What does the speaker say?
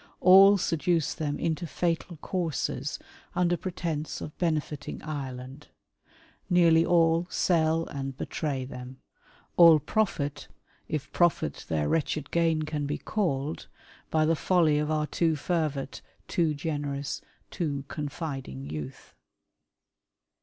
All seduce them into fiital courses under pretence of benefiting Ireland. Nearly all sell and betray them. L 146 WAR OF ANTICHRIST WITH THE CHURCH. All profit — if profit their wretched gain can be called — by the folly of our too fervid, too generous, too confiding youth.